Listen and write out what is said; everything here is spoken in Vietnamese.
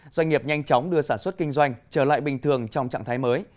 doanh nghiệp nhanh chóng đưa sản xuất kinh doanh trở lại bình thường trong trạng thái mới